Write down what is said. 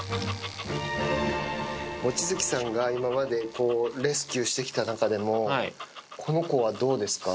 望月さんが今までレスキューしてきた中でも、この子はどうですか？